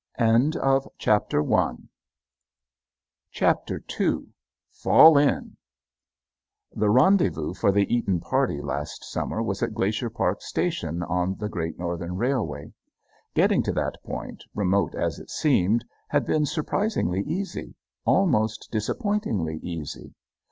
II "FALL IN" The rendezvous for the Eaton party last summer was at Glacier Park Station on the Great Northern Railway. Getting to that point, remote as it seemed, had been surprisingly easy almost disappointingly easy.